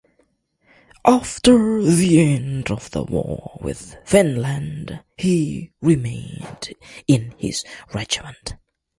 After the end of the war with Finland he remained in his regiment.